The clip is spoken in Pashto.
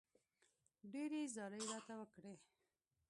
ډېرې زارۍ راته وکړې.